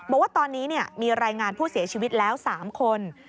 บอกว่าตอนนี้มีรายงานผู้เสียชีวิตแล้ว๓คน